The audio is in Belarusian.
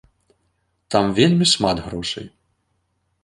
Там вельмі шмат грошай.